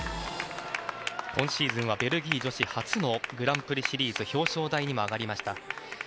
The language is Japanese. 今シーズンはベルギー女子初のグランプリシリーズ表彰台にも上がりました。